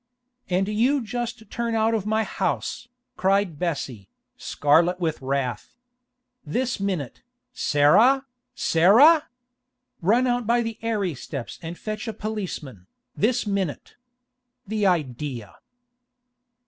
'And you just turn out of my house,' cried Bessie, scarlet with wrath. 'This minute! Sarah! Sarah! Run out by the arey steps and fetch a p'liceman, this minute! The idea!